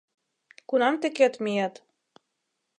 — Кунам тӧкет миет?